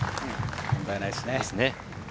問題ないですね。